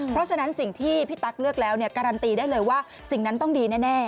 เพราะฉะนั้นสิ่งที่พี่ตั๊กเลือกแล้วเนี่ยการันตีได้เลยว่าสิ่งนั้นต้องดีแน่